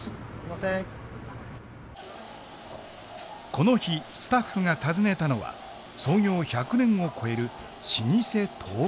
この日スタッフが訪ねたのは創業１００年を超える老舗豆腐店。